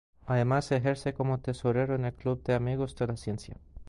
Además ejerce como tesorero en el el Club de Amigos de la Ciencia.